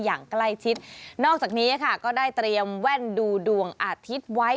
อย่างใกล้ชิดนอกจากนี้ค่ะก็ได้เตรียมแว่นดูดวงอาทิตย์ไว้